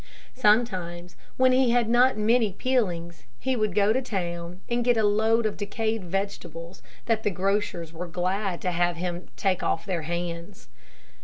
Sometimes, when he had not many "peelings," he would go to town and get a load of decayed vegetables, that grocers were glad to have him take off their hands.